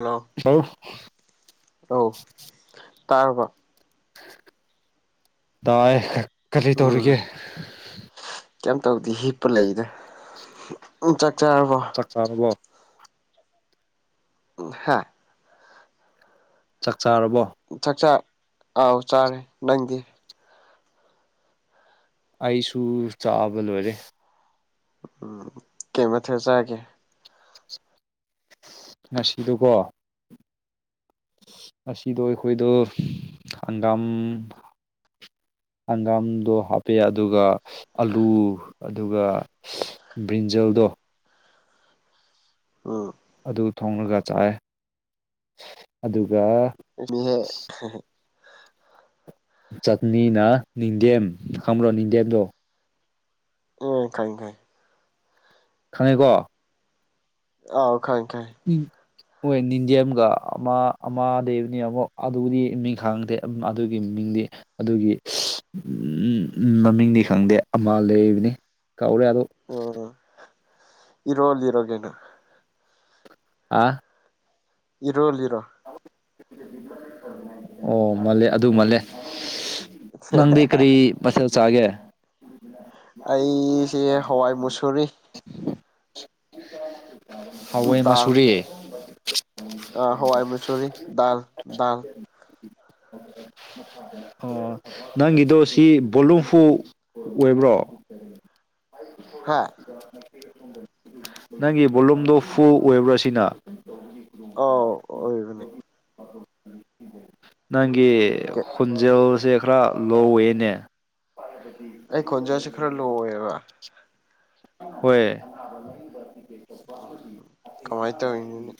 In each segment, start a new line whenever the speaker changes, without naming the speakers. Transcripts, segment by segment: Hello
[unintelligible]
ꯑꯧ ꯇꯥꯔꯕꯣ
ꯇꯥꯌꯦ ꯀꯔꯤ ꯇꯧꯔꯤꯒꯦ
ꯀ꯭ꯌꯝ ꯇꯧꯗꯦ ꯍꯤꯞꯄ ꯂꯩꯗ ꯅꯪ ꯆꯥꯛ ꯆꯥꯔꯕꯣ
ꯆꯥꯛ ꯆꯥꯔꯕꯣ
ꯎꯝ ꯍꯥꯥ
ꯆꯥꯛ ꯆꯥꯔꯕꯣ
ꯆꯥꯛ ꯆꯥꯥ ꯑꯥꯎ ꯆꯥꯔꯦ ꯅꯪꯗꯤ
ꯑꯩꯁꯨ ꯆꯥꯕ ꯂꯣꯏꯔꯦ
ꯎꯝ ꯀꯩ ꯃꯊꯦꯜ ꯆꯥꯒꯦ
ꯉꯁꯤꯗꯨꯀꯣ ꯉꯁꯤꯗꯣ ꯑꯩꯈꯣꯏꯗꯣ ꯍꯪꯒꯥꯝ ꯍꯪꯒꯥꯝꯗꯣ ꯍꯥꯞꯄꯦ ꯑꯗꯨꯒ ꯑꯂꯨ ꯑꯗꯨꯒ ꯕ꯭ꯔꯤꯟꯖꯜꯗꯣ
ꯎꯝ
ꯑꯗꯨ ꯊꯣꯡꯔꯒ ꯆꯥꯏꯌꯦ ꯑꯗꯨꯒ
[unintelligible]
ꯆꯥꯛꯅꯤꯅ ꯅꯤꯡꯗꯦꯝ ꯈꯪꯕ꯭ꯔꯣ ꯅꯤꯡꯗꯦꯝꯗꯣ
ꯑꯣ ꯈꯪꯉꯦ ꯈꯪꯉꯦ
ꯈꯪꯉꯦꯀꯣ
ꯑꯥꯎ ꯈꯪ ꯈꯪ
ꯍꯣꯏ ꯅꯤꯟꯗꯦꯝꯒꯥ ꯑꯃ ꯑꯃ ꯂꯩꯕꯅꯤ ꯑꯃꯨꯛ ꯑꯗꯨꯗꯤ ꯃꯤꯡ ꯈꯥꯡꯗꯦ ꯎꯝ ꯑꯗꯨꯒꯤ ꯃꯤꯡꯗꯤ ꯑꯗꯨꯒꯤ ꯎꯝ ꯃꯃꯤꯡꯗꯤ ꯈꯪꯗꯦ ꯑꯃ ꯂꯩꯕꯅꯤ ꯀꯥꯎꯔꯦ ꯑꯗꯣ
ꯑꯣ ꯏꯔꯣꯜꯂꯤꯔꯣ ꯒꯩꯅꯣ
ꯑꯥ
ꯏꯔꯣꯜꯂꯤꯔꯣ
ꯑꯣ ꯃꯥꯜꯂꯦ ꯑꯗꯨ ꯃꯥꯜꯂꯦ ꯅꯪꯗꯤ ꯀꯔꯤ ꯃꯊꯦꯜ ꯆꯥꯒꯦ
ꯑꯩꯁꯦ ꯍꯋꯥꯏ ꯃꯨꯁꯨꯨꯔꯤ ꯎꯝ
ꯍꯋꯥꯏ
ꯗꯥꯜ
ꯃꯁꯨꯨꯔꯤ
ꯑꯥ ꯍꯋꯥꯏ ꯃꯨꯁꯨꯔꯤ ꯗꯥꯜ ꯗꯥꯜ
ꯑꯣ ꯅꯪꯒꯤꯗꯣ ꯁꯤ ꯕꯣꯂꯨꯝꯐꯨ ꯑꯣꯏꯕ꯭ꯔꯣ
ꯍꯥꯥ
[unintelligible] ꯅꯪꯒꯤ ꯕꯣꯂꯨꯝꯗꯣ ꯐꯨꯜ ꯑꯣꯏꯕ꯭ꯔꯥ ꯁꯤꯅ
ꯑꯥꯎ ꯑꯣꯏꯕꯅꯦ
ꯅꯪꯒꯤ ꯈꯣꯟꯖꯦꯜꯁꯦ ꯈꯔ ꯂꯣ ꯑꯣꯏꯌꯦꯅꯦ
ꯑꯩ ꯈꯣꯟꯖꯦꯜꯁꯦ ꯈꯔ ꯂꯣꯏ ꯑꯣꯏꯕ
ꯍꯣꯏ
ꯎꯝ ꯀꯃꯥꯏꯟ ꯇꯧꯔꯤꯅꯣꯅꯦ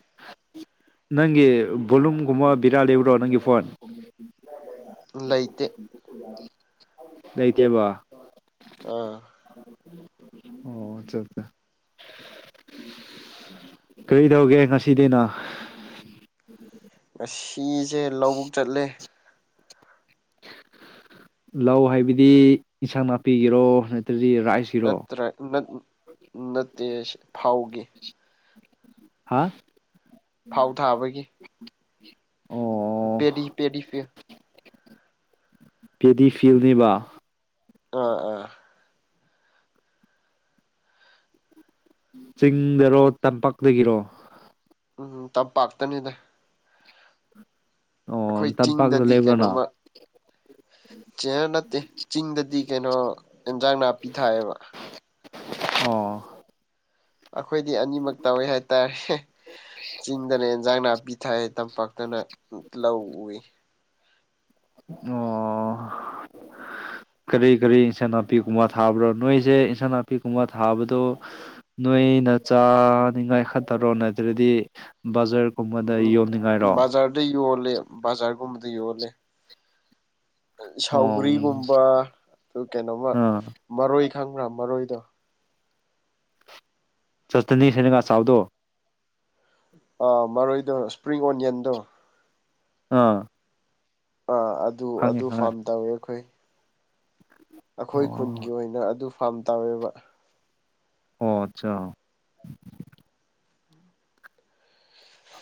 ꯅꯪꯒꯤ ꯕꯣꯂꯨꯝꯒꯨꯝꯕ ꯕꯦꯔꯥ ꯂꯩꯕ꯭ꯔꯣ ꯅꯪꯒꯤ ꯐꯣꯟ
ꯂꯩꯇꯦ
ꯂꯩꯇꯦꯕ
ꯑꯥ
ꯑꯣꯆꯥ ꯆꯥ ꯀꯔꯤ ꯗꯧꯒꯦ ꯉꯁꯤꯗꯤ ꯅꯥ
ꯉꯁꯤꯁꯦ ꯂꯧꯕꯨꯛ ꯆꯠꯂꯦ
ꯂꯧ ꯍꯥꯏꯕꯗꯤ ꯏꯟꯁꯥꯡ ꯅꯥꯄꯤꯒꯤꯔꯣ ꯅꯠꯇ꯭ꯔꯥꯗꯤ ꯔꯥꯏꯁ
ꯅꯠꯇ꯭ꯔꯦ ꯅꯠ ꯅꯠꯇꯦꯁꯦ ꯊꯥꯎꯒꯤ
ꯍꯥꯥ
ꯐꯧ ꯊꯥꯕꯒꯤ ꯄꯦꯗꯤ ꯄꯦꯗꯤ ꯄꯤꯜ
ꯄꯦꯗꯤ ꯐꯤꯜꯅꯤꯕ
ꯑꯥ ꯑꯥ
ꯆꯤꯡꯗꯥꯔꯣ ꯇꯝꯄꯥꯛꯇꯥꯒꯤꯔꯣ
ꯎꯝ ꯇꯝꯄꯥꯥꯛꯇꯥꯅꯤꯗꯥ
ꯑꯣ
ꯑꯩꯈꯣꯏ
ꯇꯝꯄꯥꯛꯇ
ꯆꯤꯡꯗꯥꯗꯤ
ꯂꯩꯕ꯭ꯔꯣ ꯅꯪ
ꯀꯩꯅꯣꯝꯃꯥ ꯆꯦꯌꯔ ꯅꯠꯇꯦ ꯆꯤꯡꯗꯥꯗꯤ ꯀꯩꯅꯣ ꯑꯦꯟꯖꯥꯡ ꯅꯥꯄꯤ ꯊꯥꯏꯑꯕ
ꯑꯣ
ꯑꯈꯣꯏꯗꯤ ꯑꯅꯤꯃꯛ ꯇꯧꯋꯦ ꯍꯥꯏꯇꯥꯏ ꯍꯦ ꯆꯤꯡꯗꯅ ꯏꯟꯖꯥꯡ ꯅꯥꯄꯤ ꯊꯥꯏ ꯇꯝꯄꯥꯛꯇꯥꯅ ꯂꯧ ꯎꯏ
ꯑꯣ ꯀꯔꯤ ꯀꯔꯤ ꯏꯟꯁꯥꯡ ꯅꯥꯄꯤ ꯀꯨꯝꯕ ꯊꯥꯕ꯭ꯔꯣ ꯅꯣꯏꯖꯦ ꯏꯟꯁꯥꯡ ꯅꯥꯄꯤ ꯀꯨꯝꯕ ꯊꯥꯕꯗꯣ ꯅꯣꯏꯅ ꯆꯥꯅꯤꯡꯉꯥꯏ ꯈꯠꯇꯔꯣ ꯅꯠꯇ꯭ꯔꯥꯗꯤ ꯕꯖꯔ
ꯎꯝ ꯕꯖꯥꯔꯗ ꯌꯣꯜꯂꯦ ꯕꯖꯥꯔꯒꯨꯝꯕꯗ ꯌꯣꯜꯂꯦ
ꯑꯣ
ꯁꯥꯎꯒ꯭ꯔꯤꯒꯨꯝꯕ ꯗꯨ ꯀꯩꯅꯣꯝꯃ
ꯑꯥ
ꯃꯔꯣꯏ ꯈꯪꯕ꯭ꯔꯥ ꯃꯔꯣꯏꯗꯣ
ꯆꯠꯇꯅꯤ ꯁꯦꯟꯗꯒ ꯆꯥꯎꯗꯣ
ꯑꯥ ꯃꯔꯣꯏꯗꯣ ꯏꯁꯄ꯭ꯔꯤꯡ ꯑꯣꯅꯤꯌꯟꯗꯣ
ꯑꯥ
ꯑꯥ ꯑꯗꯨ
ꯈꯪꯉꯦ
ꯑꯗꯨ
ꯈꯪꯉꯦ
ꯐꯥꯝ ꯇꯧꯋꯦ ꯈꯣꯏ ꯑꯈꯣꯏ
ꯑꯣ
ꯈꯨꯟꯒꯤ ꯑꯣꯏꯅ ꯑꯗꯨ ꯐꯥꯝ ꯇꯧꯋꯦꯕ
ꯑꯣ ꯑꯠꯆꯥ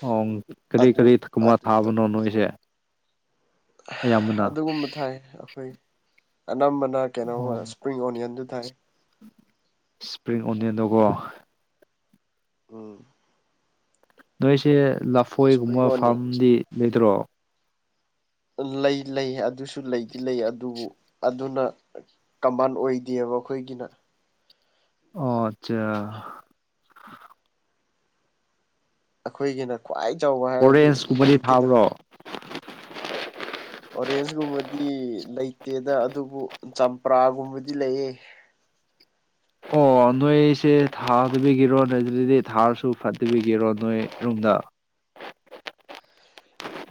ꯑꯣꯝ ꯀꯔꯤ
ꯑꯗꯨ
ꯀꯔꯤ ꯊꯀꯨꯝꯕ
ꯑꯗꯨ
ꯐꯥꯕꯅꯣ ꯅꯣꯏꯖꯦ
ꯑꯗꯨꯒꯨꯝꯕ ꯊꯥꯏ ꯑꯩꯈꯣꯏ ꯑꯅꯝꯕꯅ
ꯑꯣ
ꯀꯩꯅꯣꯝꯃꯥ ꯏꯁꯄ꯭ꯔꯤꯡ ꯑꯣꯅꯤꯌꯟꯗꯣ ꯊꯥꯏ
ꯏꯁꯄ꯭ꯔꯤꯡ ꯑꯣꯅꯤꯌꯟꯗꯣꯒꯣ
ꯎꯝ
ꯅꯣꯏꯁꯦ
ꯏꯁꯄ꯭ꯔꯤꯡ
ꯂꯐꯣꯏꯒꯨꯝꯕ
ꯑꯣꯅꯤꯌꯟ
ꯐꯥꯝꯗꯤ ꯂꯩꯇ꯭ꯔꯣ
ꯂꯩ ꯂꯩ ꯑꯗꯨꯁꯨ ꯂꯩꯗꯤ ꯂꯩ ꯑꯗꯨꯕꯨ ꯑꯗꯨꯅ ꯀꯥꯃꯟ ꯑꯣꯏꯗꯦꯕ ꯈꯣꯏꯒꯤꯅ
ꯑꯣ ꯑꯠꯆꯥ
ꯑꯈꯣꯏꯒꯤꯅ ꯈ꯭ꯋꯥꯏ ꯆꯥꯎꯕ ꯍꯥꯏꯔꯗꯤ
ꯑꯣꯔꯦꯟꯁꯀꯨꯝꯕꯗꯤ
ꯍꯧꯖꯤꯛꯀꯤꯗꯣ
ꯊꯥꯕ꯭ꯔꯣ
ꯑꯣꯔꯦꯟꯖꯒꯨꯝꯕꯗꯤ ꯂꯩꯇꯦꯗ ꯑꯗꯨꯕꯨ ꯆꯝꯄ꯭ꯔꯥꯒꯨꯝꯕꯗꯤ ꯂꯩꯌꯦ
ꯑꯣ ꯅꯣꯏꯁꯦ ꯊꯥꯗꯕꯤꯒꯤꯔꯣ ꯅꯣꯏꯑꯗꯨꯗꯗꯤ ꯊꯥꯔꯁꯨ ꯐꯠꯇꯕꯤꯒꯤꯔꯣ ꯅꯣꯏꯔꯣꯝꯗ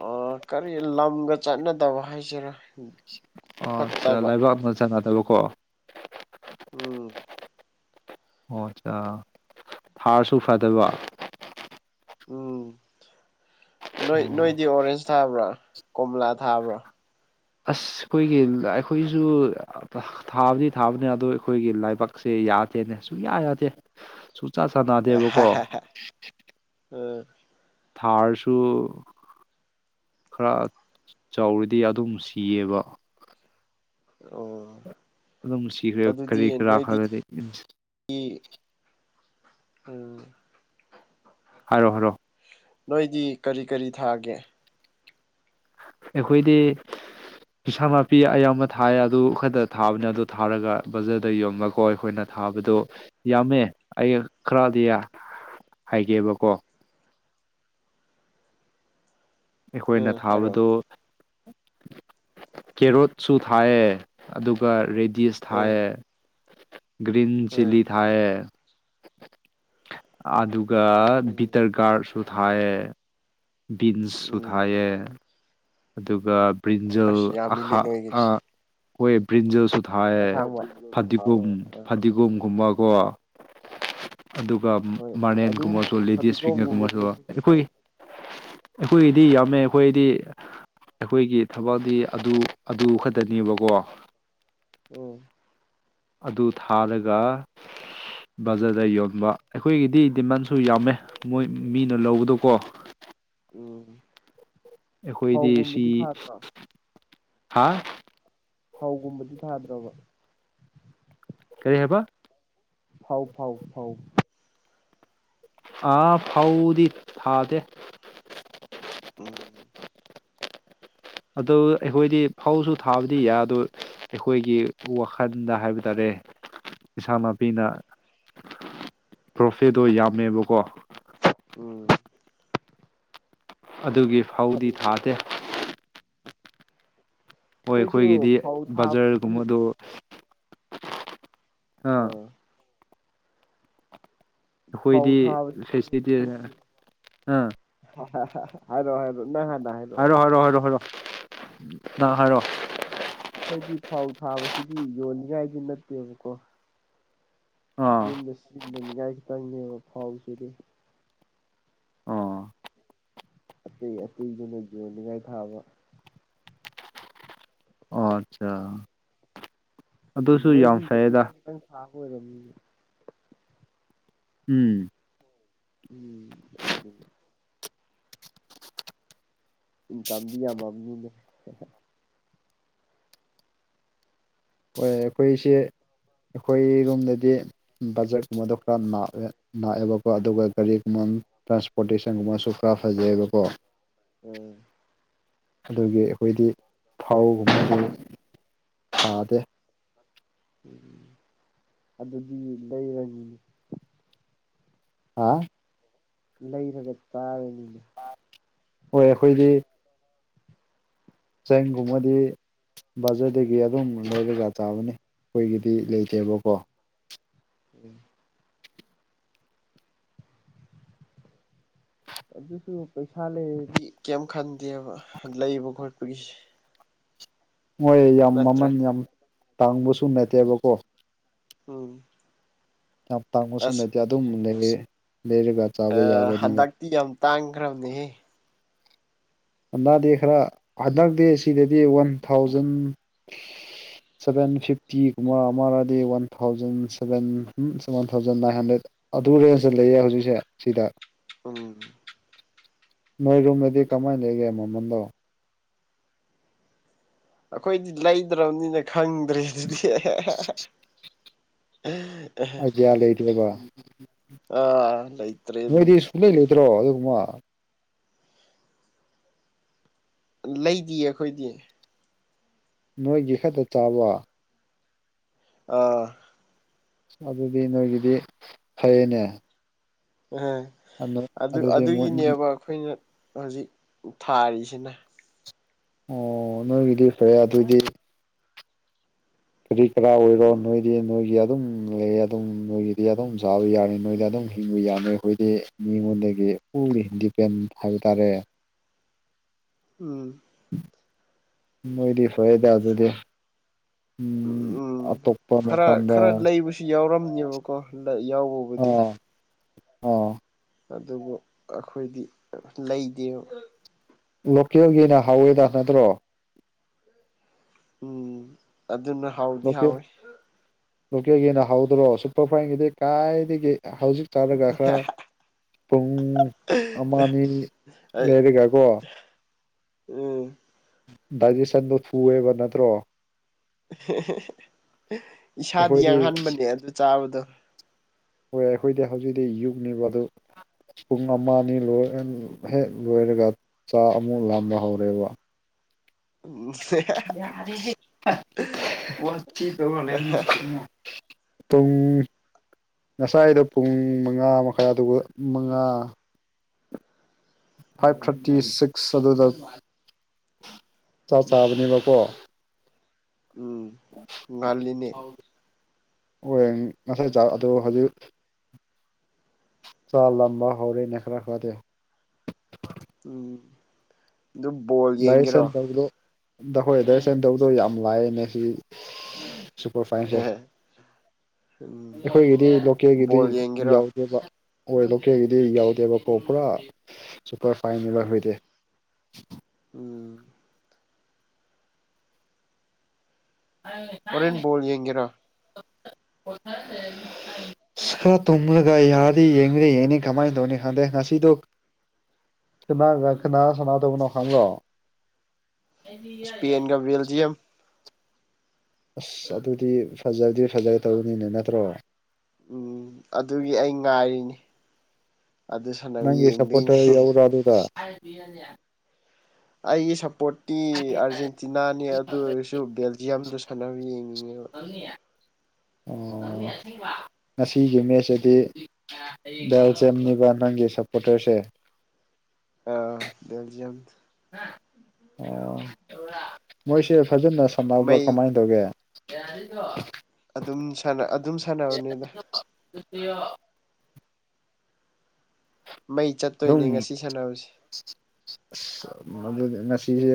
ꯑꯣ ꯀꯔꯤ ꯂꯝꯗ ꯆꯠꯅꯗꯕ ꯍꯥꯏꯁꯤꯔꯥ
ꯑꯣ ꯑꯠꯆꯥ
ꯐꯠꯇꯕ
ꯂꯩꯕꯥꯛꯅ ꯆꯥꯅꯗꯕ ꯀꯣ
ꯎꯝ
ꯑꯣ ꯑꯠꯆꯥ ꯊꯥꯔꯁꯨ ꯐꯗꯕ
ꯎꯝ ꯅꯣꯏ ꯅꯣꯏꯗꯤ ꯑꯣꯔꯦꯟꯖ ꯊꯥꯕ꯭ꯔꯥ ꯀꯣꯝꯂꯥ ꯊꯥꯕ꯭ꯔꯥ
ꯑꯁ ꯈꯣꯏꯒꯤ ꯑꯩꯈꯣꯏꯖꯨ ꯊꯥꯕꯗꯤ ꯊꯥꯕꯅꯦ ꯑꯗꯨ ꯑꯩꯈꯣꯏꯒꯤ ꯂꯥꯏꯕꯛꯁꯦ ꯌꯥꯗꯦꯅꯦ ꯁꯨꯡꯌꯥ ꯌꯥꯗꯦ ꯁꯨꯡꯆꯥꯥ ꯆꯥꯅꯗꯦꯕꯀꯣ
ꯍꯣꯏ
ꯊꯥꯔꯁꯨ ꯈꯔ ꯆꯥꯎꯔꯗꯤ ꯑꯗꯨꯝ ꯁꯤꯌꯦꯕ
ꯑꯣ
ꯑꯗꯨꯝ ꯁꯤꯒ꯭ꯔꯦ ꯀꯔꯤ ꯀꯔꯥ ꯈꯔꯗꯤ
ꯎꯝ ꯎꯝ
ꯍꯥꯏꯔꯣ ꯍꯥꯏꯔꯣ
ꯅꯣꯏꯗꯤ ꯀꯔꯤ ꯀꯔꯤ ꯊꯥꯒꯦ
ꯑꯩꯈꯣꯏꯗꯤ ꯏꯤꯟꯁꯥꯡ ꯅꯥꯄꯤ ꯑꯌꯥꯝꯕ ꯊꯥꯏ ꯑꯗꯨ ꯈꯠꯇ ꯊꯥꯕꯅꯦ ꯑꯗꯨ ꯊꯥꯔꯒ ꯕꯖꯔꯗ ꯌꯣꯟꯕꯀꯣ ꯑꯩꯈꯣꯏꯅ ꯊꯥꯕꯗꯣ ꯌꯥꯝꯃꯦ ꯑꯩ ꯈꯔꯗꯤ ꯍꯥꯏꯒꯦꯕꯀꯣ ꯑꯩꯈꯣꯏꯅ
ꯎꯝ ꯍꯥꯏꯔꯛꯑꯣ
ꯊꯥꯕꯗꯣ ꯀꯦꯔꯣꯠꯁꯨ ꯊꯥꯏꯌꯦ ꯑꯗꯨꯒ ꯔꯦꯗꯤꯁ
ꯎꯝ
ꯊꯥꯏꯌꯦ ꯒ꯭ꯔꯤꯟ
ꯎꯝ
ꯆꯤꯂꯤ ꯊꯥꯏꯌꯦ ꯑꯗꯨꯒ
ꯎꯝ
ꯕꯤꯇꯔ ꯒꯥꯔꯗꯁꯨ ꯊꯥꯏꯌꯦ ꯕꯤꯟꯁꯁꯨ
ꯎꯝ
ꯊꯥꯏꯌꯦ ꯑꯗꯨꯒ ꯕ꯭ꯔꯤꯟꯖꯥꯜ
ꯑꯁ ꯌꯥꯝꯃꯤꯅꯦ
ꯑꯥꯈꯥ
ꯅꯣꯏꯒꯤꯗꯤ
ꯑꯥ ꯍꯣꯏ ꯕ꯭ꯔꯤꯟꯖꯥꯜꯁꯨ ꯊꯥꯏꯌꯦ
ꯑꯁꯥꯡꯕ
ꯐꯥꯗꯤꯒꯣꯝ
ꯑꯥ
ꯐꯥꯗꯤꯒꯣꯝ ꯒꯨꯝꯕ ꯀꯣ ꯑꯗꯨꯒ
ꯍꯣꯏ
ꯃꯥꯔꯦꯟꯒꯨꯝꯕꯁꯨ
ꯑꯗꯨꯒꯨꯝꯕꯗꯣ
ꯂꯦꯗꯤꯁ ꯐꯤꯒꯔꯒꯨꯝꯕꯁꯨ
ꯐꯗꯤꯒꯣꯝꯒꯨꯝꯕꯗꯤ ꯑꯩꯈꯣꯏꯁꯨ ꯊꯥꯏ
ꯑꯩꯈꯣꯏꯒꯤ ꯑꯩꯈꯣꯏꯒꯤꯗꯤ ꯌꯥꯝꯃꯦ ꯑꯩꯈꯣꯏꯗꯤ ꯑꯩꯈꯣꯏꯒꯤ ꯊꯕꯛꯇꯤ ꯑꯗꯨ ꯑꯗꯨ ꯈꯠꯇꯅꯦꯕꯀꯣ
ꯎꯝ꯫
ꯑꯗꯨ ꯊꯥꯜꯂꯒ ꯕꯖꯥꯔꯗ ꯌꯣꯟꯕ ꯑꯩꯈꯣꯏꯒꯤꯗꯤ ꯗꯤꯃꯥꯟꯁꯨ ꯌꯥꯝꯃꯦ ꯃꯣꯏ ꯃꯤꯅ ꯂꯧꯕꯗꯨꯀꯣ
ꯎꯝ
ꯑꯩꯈꯣꯏꯗꯤ
ꯐꯧꯒꯨꯝꯕꯗꯤ ꯁꯥꯠꯇ꯭ꯔꯣ
ꯍꯥꯥ
ꯐꯧꯒꯨꯝꯕꯗꯤ ꯊꯥꯗ꯭ꯔꯣꯕ
ꯀꯔꯤ ꯍꯥꯏꯕ
ꯐꯧ ꯐꯧ ꯐꯧ ꯐꯧ
ꯑꯥ ꯐꯧꯗꯤ ꯊꯥꯗꯦ
ꯎꯝ꯫
ꯑꯗꯨ ꯑꯩꯈꯣꯏꯗꯤ ꯐꯧꯖꯨ ꯊꯥꯕꯗꯤ ꯌꯥꯏ ꯑꯗꯨ ꯑꯩꯈꯣꯏꯒꯤ ꯋꯥꯈꯜꯗ ꯍꯥꯏꯕ ꯇꯥꯔꯦ ꯏꯟꯁꯥꯡ ꯅꯥꯄꯤꯅ ꯄ꯭ꯔꯣꯐꯤꯠꯇꯣ ꯌꯥꯝꯃꯦꯕꯀꯣ
ꯎꯝ꯫
ꯑꯗꯨꯒꯤ ꯐꯧꯗꯤ ꯊꯥꯗꯦ ꯍꯣꯏ
ꯑꯩꯈꯣꯏꯁꯨ
ꯑꯩꯈꯣꯏꯒꯤꯗꯤ
ꯐꯧ ꯊꯥꯕꯁꯤꯗꯤ
ꯕꯖꯥꯔꯒꯨꯝꯕꯗꯣ ꯑꯥ
ꯐꯧ
ꯑꯩꯈꯣꯏꯗꯤ
ꯊꯥꯕꯁꯤꯗꯤ
ꯐꯦꯁ꯭ꯇꯤꯚ ꯖꯦ ꯑꯥ
ꯍꯥꯏꯔꯣ ꯍꯥꯏꯔꯣ ꯅꯪ ꯍꯥꯟꯅ ꯍꯥꯏ
ꯍꯥꯏꯔꯣ ꯍꯥꯏꯔꯣ ꯍꯥꯏꯔꯣ ꯍꯥꯏꯔꯣ ꯅꯪ ꯍꯥꯏꯔꯣ
ꯈꫭꯏꯒꯤ ꯑꯩꯈꯣꯏꯗꯤ ꯐꯧ ꯊꯥꯕꯁꯤꯗꯤ ꯌꯣꯟꯅꯤꯉꯥꯏꯒꯤ ꯅꯠꯇꯦꯕꯀꯣ
ꯑꯥ
ꯌꯨꯝꯗ ꯁꯤꯖꯤꯟꯅ ꯅꯤꯉꯥꯏ ꯈꯤꯇꯪꯅꯦꯕ ꯐꯧꯁꯤꯗꯤ
ꯑꯣ
ꯑꯇꯩ ꯑꯇꯩꯗꯨꯅ ꯌꯣꯟꯅꯤꯡꯉꯥꯏ ꯊꯥꯕ
ꯑꯣ ꯑꯠꯆꯥ
ꯎꯝ
ꯑꯗꯨꯁꯨ
ꯅꯣꯏꯗꯤ
ꯌꯥꯝ ꯐꯩꯌꯦꯗ
ꯌꯣꯟꯅꯤꯉꯥꯏ ꯈꯤꯇꯪ ꯊꯥꯕ ꯑꯣꯏꯔꯝꯅꯤꯅꯦ
ꯎꯝ꯫
ꯎꯝ ꯑꯗꯨꯅꯤ ꯏꯟꯀꯝꯗꯤ ꯌꯥꯝꯃꯝꯅꯤꯅꯦ ꯍꯦ ꯍꯦ
ꯍꯣꯏ ꯑꯩꯈꯣꯏꯁꯦ ꯑꯩꯈꯣꯏ ꯔꯣꯝꯗꯗꯤ ꯕꯖꯦꯠꯀꯨꯝꯕꯗꯣ ꯈꯔ ꯅꯥꯛꯑꯦ ꯅꯥꯥꯛꯑꯦꯕꯀꯣ ꯑꯗꯨꯒ ꯒꯥꯔꯤꯒꯤ ꯃꯟ ꯇ꯭ꯔꯥꯟꯁꯄꯣꯔꯇꯦꯁꯟꯒꯨꯝꯕꯁꯨ ꯈꯔ ꯐꯖꯩꯌꯦꯕꯀꯣ
ꯎꯝ꯫
ꯑꯗꯨꯒꯤ ꯑꯩꯈꯣꯏꯗꯤ ꯊꯥꯎꯒꯨꯝꯕꯗꯤ ꯊꯥꯗꯦ
ꯎꯝ ꯑꯗꯨꯗꯤ ꯂꯩꯔꯅꯤ
ꯍꯥ
ꯂꯩꯔꯒ ꯆꯥꯔꯅꯤ
ꯄꯥ ꯍꯣꯏ ꯑꯩꯈꯣꯏꯗꯤ ꯆꯦꯡꯒꯨꯝꯕꯗꯤ ꯕꯥꯖꯥꯔ ꯗꯦ ꯒꯤ ꯑꯗꯨꯝ ꯂꯩꯔꯒꯥ ꯆꯥꯕꯅꯤ ꯑꯩꯈꯣꯏꯒꯤꯗꯤ ꯂꯩꯇꯦꯕꯀꯣ
ꯎꯝ꯫ ꯑꯗꯨꯁꯨ ꯄꯩꯁꯥ ꯂꯩꯔꯗꯤ ꯀꯩꯝ ꯈꯟꯗꯦꯕ ꯂꯩꯕ ꯈꯣꯠꯄꯒꯤꯁꯤ
ꯃꯣꯏ ꯌꯥꯝ
ꯅꯠꯇ꯭ꯔꯥ
ꯃꯃꯟ ꯌꯥꯝ ꯇꯥꯡꯕꯁꯨ ꯅꯠꯇꯦꯕꯀꯣ
ꯎꯝ
ꯌꯥꯝ ꯇꯥꯡꯕꯁꯨ
ꯑꯁ
ꯅꯠꯇꯦ ꯑꯗꯨꯝ ꯂꯩꯌꯦ ꯂꯩꯔꯒ ꯆꯥꯕ
ꯑꯥ
ꯌꯥꯕꯅꯤꯕ
ꯍꯟꯗꯛꯇꯤ ꯌꯥꯝ ꯇꯥꯡꯈ꯭ꯔꯕꯅꯦꯍꯦ
ꯍꯟꯗꯥꯗꯦ ꯈ꯭ꯔ ꯍꯟꯗꯛꯇꯤ ꯁꯤꯗꯗꯤ ꯋꯥꯟ ꯊꯥꯎꯖꯟ ꯁꯕꯦꯟ ꯐꯤꯐꯇꯤꯒꯨꯝꯕ ꯑꯃꯔꯗꯤ one thousand seven seven thousand nine hundred ꯑꯗꯨ ꯔꯦꯟꯖꯇ ꯂꯩꯌꯦ ꯍꯧꯖꯤꯛꯁꯦ ꯁꯤꯗ
ꯎꯝ
ꯅꯣꯏ ꯔꯣꯝꯗꯗꯤ ꯀꯃꯥꯏ ꯂꯩꯒꯦ ꯃꯃꯟꯗꯣ
ꯑꯩꯈꯣꯏꯗꯤ ꯂꯩꯗ꯭ꯔꯕꯅꯤꯅ ꯈꯪꯗ꯭ꯔꯦ ꯑꯗꯨꯗꯤ [unintelligible] ꯑꯦ ꯍꯦ
ꯑꯥꯏꯗꯤꯌꯥ ꯂꯩꯇꯦꯕ
ꯑꯥ ꯂꯩꯇ꯭ꯔꯦ ꯑꯗꯨ
ꯏꯂꯩ ꯂꯩꯗ꯭ꯔꯣ ꯑꯗꯨꯒꯨꯝꯕ
ꯂꯩꯗꯤꯌꯦ ꯑꯩꯈꯣꯏꯗꯤ
ꯅꯣꯏꯒꯤ ꯈꯛꯇ ꯆꯥꯕ
ꯑꯥ
ꯑꯗꯨꯗꯤ ꯅꯣꯏꯒꯤꯗꯤ ꯐꯩꯌꯦꯅꯦ
ꯑꯍ ꯑꯗꯨ
ꯑꯗꯨꯗꯤ ꯃꯣꯏ
ꯑꯗꯨꯒꯤꯅꯦꯕ ꯑꯩꯈꯣꯏꯅ ꯍꯧꯖꯤꯛ ꯊꯥꯔꯤꯁꯤꯅ
ꯑꯣ ꯅꯣꯏꯒꯤꯗꯤ ꯐꯩ ꯑꯗꯨꯗꯤ ꯀꯔꯤ ꯀꯔꯥ ꯑꯣꯏꯔꯣ
ꯎꯝ
ꯅꯣꯏꯗꯤ ꯅꯣꯏꯒꯤ ꯑꯗꯨꯝ ꯂꯩ ꯑꯗꯨꯝ ꯅꯣꯏꯒꯤꯗꯤ ꯑꯗꯨꯝ ꯆꯥꯕ ꯌꯥꯔꯦ ꯅꯣꯏꯗꯤ ꯑꯗꯨꯝ [unintelligible] ꯑꯩꯈꯣꯏꯗꯤ ꯃꯤꯉꯣꯟꯗꯒꯤ ꯄꯨꯔꯤ ꯗꯤꯄꯦꯟ ꯍꯥꯏꯕ ꯇꯥꯔꯦ
ꯎꯝ
ꯅꯣꯏꯗꯤ ꯐꯩꯌꯦꯗ ꯑꯗꯨꯗꯤ ꯎꯝ ꯑꯇꯣꯞꯄ ꯃꯐꯝꯗ
ꯁꯤ ꯌꯥꯎꯔꯝꯅꯦꯕꯀꯣ ꯂꯩ ꯌꯥꯎ
ꯑꯥ ꯑꯥ
ꯑꯗꯨꯕꯨ ꯑꯈꯣꯏꯗꯤ ꯂꯩꯗꯦꯕ
ꯂꯣꯀꯦꯜꯒꯤꯅ ꯍꯥꯎꯋꯦꯗ ꯅꯠꯇ꯭ꯔꯣ
ꯎꯝ ꯑꯗꯨꯅ ꯍꯥꯎꯗꯤ
ꯂꯣꯀꯦꯜ
ꯍꯥꯎꯋꯤ
ꯂꯣꯀꯦꯜꯒꯤꯅ ꯍꯥꯎꯗ꯭ꯔꯣ ꯁꯨꯄ꯭ꯔ ꯐꯥꯏꯟꯒꯤꯗꯤ ꯀꯥꯏꯗꯒꯤ ꯍꯧꯖꯤꯛ ꯆꯥꯔꯒ ꯈ꯭ꯔ ꯄꯨꯡ ꯑꯃ ꯑꯅꯤ ꯂꯩꯔꯒꯀꯣ
ꯎꯝ
ꯗꯥꯏꯖꯦꯁꯟꯗꯣ ꯊꯨꯑꯦꯕ ꯅꯠꯇ꯭ꯔꯣ
ꯏꯁꯥꯗꯤ
ꯑꯩꯈꯣꯏꯗꯤ
ꯌꯥꯡꯍꯟꯕꯅꯦ ꯑꯗꯨ ꯆꯥꯕꯗꯣ
ꯍꯣꯏ ꯑꯩꯈꯣꯏꯗꯤ ꯍꯧꯖꯤꯛꯇꯤ ꯌꯨꯛꯅꯦꯕ ꯑꯗꯨ ꯄꯨꯡ ꯑꯃ ꯑꯅꯤ ꯂꯣꯏꯑꯟ ꯍꯦꯛ ꯂꯣꯏꯔꯒ ꯆꯥ ꯑꯃꯨꯛ ꯂꯥꯝꯕ ꯍꯧꯔꯦꯕ
[unintelligible]
ꯌꯥꯔꯦꯍꯦ [unintelligible] ꯄꯨꯡ ꯉꯁꯥꯏꯗꯣ ꯄꯨꯡ ꯃꯉꯥ ꯃꯈꯥꯏ [unintelligible] ꯃꯉꯥ ꯐꯥꯏꯚ ꯊ꯭ꯔꯇꯤ ꯁꯤꯛꯁ ꯑꯗꯨꯗ ꯆꯥ ꯆꯥꯕꯅꯦꯕꯀꯣ
ꯎꯝ ꯉꯜꯂꯤꯅꯦ
ꯑꯣꯏ ꯉꯁꯥꯏ ꯆꯥꯛ ꯑꯗꯣ ꯍꯧꯖꯤꯛ ꯆꯥꯛ ꯂꯥꯝꯕ ꯍꯧꯔꯦꯅꯦ ꯈꯔ ꯈꯔꯗꯤ
ꯎꯝ ꯑꯗꯨ ꯕꯣꯜ ꯌꯦꯡꯒꯦꯔꯣ
ꯗꯥꯈꯣꯏ ꯗꯤꯖꯦꯁꯟ ꯇꯧꯗꯣ ꯌꯥꯝ ꯂꯥꯏꯌꯦꯅꯦ ꯁꯤ ꯁꯨꯄꯔ ꯐꯥꯏꯟꯁꯦ
ꯍꯦꯍꯦ
ꯑꯩꯈꯣꯏꯒꯤꯗꯤ ꯂꯣꯀꯦꯜꯒꯤꯗꯤ
ꯌꯦꯡꯒꯦꯔꯣ
ꯌꯥꯎꯗꯦꯕ ꯑꯣꯏ ꯂꯣꯀꯦꯜꯒꯤꯗꯤ ꯌꯥꯎꯗꯦꯕꯀꯣ ꯄꯨꯔꯥ ꯁꯨꯄꯔ ꯐꯥꯏꯟꯅꯦꯕ ꯑꯩꯈꯣꯏꯗꯤ
ꯎꯝ
[unintelligible]
ꯍꯣꯔꯦꯟ ꯕꯣꯜ ꯌꯦꯡꯒꯦꯔꯣ
ꯈꯔ ꯇꯨꯝꯂꯒꯥ ꯌꯥꯔꯗꯤ ꯌꯦꯡꯗꯤ ꯌꯦꯡꯅꯤ ꯀꯃꯥꯏ ꯇꯧꯅꯤ ꯈꯥꯡꯗꯦ ꯉꯁꯤꯗꯣ ꯀꯅꯥꯒꯥ ꯀꯅꯥ ꯁꯥꯟꯅꯗꯧꯕꯅꯣ ꯈꯪꯔ꯭ꯕꯣ
ꯁ꯭ꯄꯦꯟꯒ ꯕꯦꯜꯖꯤꯌꯝ
ꯑꯁ ꯑꯗꯨꯗꯤ ꯐꯖꯗꯤ ꯐꯖꯒꯗꯧꯕꯅꯤꯅꯦ ꯅꯠꯇ꯭ꯔꯣ
ꯎꯝ ꯑꯗꯨꯒꯤ ꯑꯩ ꯉꯥꯏꯔꯤꯅꯤ ꯑꯗꯨ ꯁꯥꯟꯅꯕ
ꯅꯪꯒꯤ
ꯌꯦꯡꯗꯣꯏꯅꯤ
ꯁꯄꯣꯠꯇꯔ ꯌꯥꯎꯕ꯭ꯔ ꯑꯗꯨꯗ
ꯑꯩꯒꯤ ꯁꯞꯄꯣꯔꯠꯇꯤ ꯑꯥꯔꯖꯦꯟꯇꯤꯅꯥꯅꯦ ꯑꯗꯨ ꯑꯣꯏꯔꯁꯨ ꯑꯗꯨ ꯕꯦꯜꯖꯤꯌꯝꯗꯨ ꯁꯥꯟꯅꯕ ꯌꯦꯡꯅꯤꯡꯉꯦꯕ
ꯑꯣ ꯑꯣ ꯉꯁꯤꯒꯤ ꯃꯦꯠꯁꯤꯗꯤ ꯕꯦꯜꯖꯤꯌꯝꯅꯤꯕ ꯅꯪꯒꯤ ꯁꯞꯄꯣꯇꯔꯁꯦ
ꯑ ꯕꯦꯜꯖꯤꯌꯝ
ꯑꯣ ꯃꯣꯏꯁꯦ ꯐꯖꯅ ꯁꯥꯟꯅꯕ꯭ꯔꯥ
ꯃꯩ
ꯀꯃꯥꯏꯅ ꯇꯧꯒꯦ [unintelligible]
ꯑꯗꯨꯝ ꯁꯥꯟꯅꯥ ꯑꯗꯨꯝ ꯁꯥꯟꯅꯕꯅꯤꯗ
[unintelligible]
ꯃꯩ ꯆꯠꯇꯣꯏꯅꯦ ꯉꯁꯤ ꯁꯥꯟꯅꯕꯁꯤ
ꯃꯗꯨ ꯉꯁꯤꯁꯦ